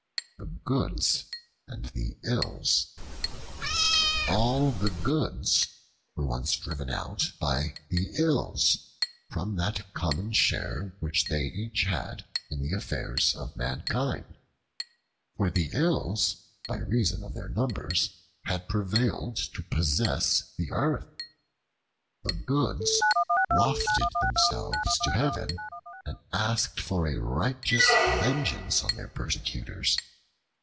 The Goods and the Ills ALL the Goods were once driven out by the Ills from that common share which they each had in the affairs of mankind; for the Ills by reason of their numbers had prevailed to possess the earth. The Goods wafted themselves to heaven and asked for a righteous vengeance on their persecutors.